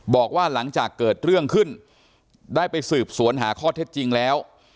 บอกว่าหลังจากเกิดเรื่องขึ้นได้ไปสืบสวนหาข้อเท็จจริงแล้ว